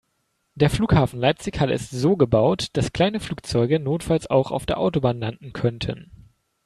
Der Flughafen Leipzig/Halle ist so gebaut, dass kleine Flugzeuge notfalls auch auf der Autobahn landen könnten.